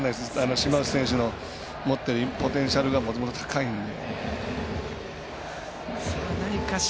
島内選手の持っているポテンシャルがもともと高いんで。